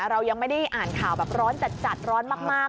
เรายังไม่ได้อ่านข่าวแบบร้อนจัดร้อนมาก